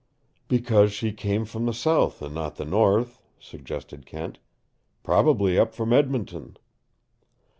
"Because she came from the South and not the North," suggested Kent. "Probably up from Edmonton."